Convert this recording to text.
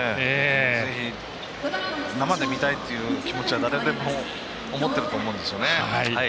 ぜひ生で見たいという気持ちは誰でも思っていると思うんですよね。